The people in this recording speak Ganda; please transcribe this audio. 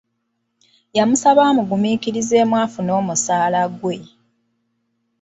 Yamusaba amugumiikirizeemu afune omusaala gwe.